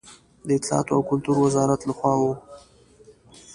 د اطلاعاتو او کلتور وزارت له خوا و.